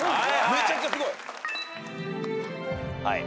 めちゃくちゃすごい。